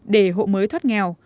để hộ mới thoát nghèo